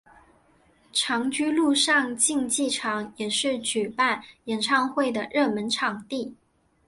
长居陆上竞技场也是举办演唱会的热门场地。